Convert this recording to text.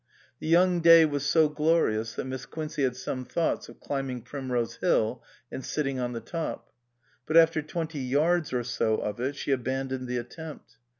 The young day was so glorious that Miss Quincey had some thoughts of climbing Prim rose Hill and sitting on the top ; but after twenty yards or so of it she abandoned the attempt.